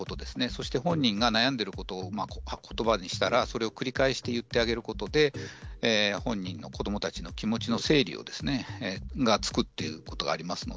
そして本人が悩んでいることをことばにしたらそれを繰り返して言ってあげることで本人、子どもたちの気持ちの整理がつくということがあります。